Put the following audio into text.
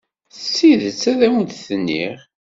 D tidet ay awent-d-nniɣ.